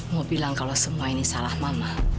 mau bilang kalau semua ini salah mama